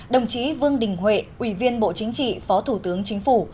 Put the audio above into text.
đồng chí vương đình huệ ủy viên bộ chính trị phó thủ tướng chính phủ